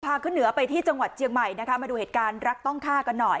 ขึ้นเหนือไปที่จังหวัดเชียงใหม่นะคะมาดูเหตุการณ์รักต้องฆ่ากันหน่อย